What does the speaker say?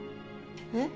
えっ？